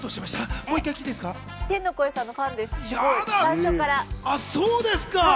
どうですか？